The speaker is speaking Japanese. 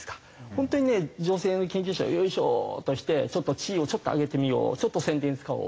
本当にね女性の研究者をヨイショ！として地位をちょっと上げてみようちょっと宣伝使おう。